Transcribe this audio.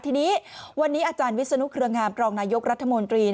ทีนี้วันนี้อาจารย์วิศนุเครืองามรองนายกรัฐมนตรี